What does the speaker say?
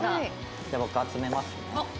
じゃあ僕集めますね。